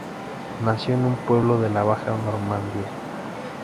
Nació en en un pueblo de la baja Normandía.